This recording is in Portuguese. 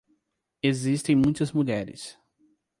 Existem muitas mulheres